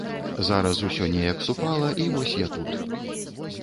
Зараз усё неяк супала і вось я тут.